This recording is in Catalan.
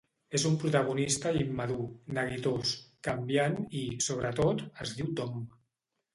És un protagonista immadur, neguitós, canviant i, sobretot, es diu Tom.